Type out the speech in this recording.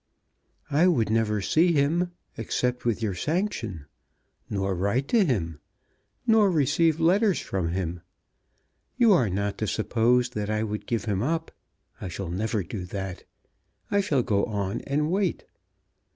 "I would never see him, except with your sanction, nor write to him, nor receive letters from him. You are not to suppose that I would give him up. I shall never do that. I shall go on and wait.